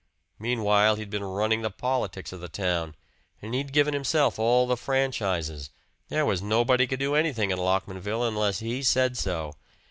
Meanwhile he'd been running the politics of the town, and he'd given himself all the franchises there was nobody could do anything in Lockmanville unless he said so.